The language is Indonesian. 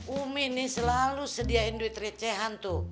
umi ini selalu sediain duit recehan tuh